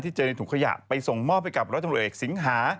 ที่เจอในถุงขยะไปส่งมอบไปกับรถจังหวัดเหลวเอกสิงหา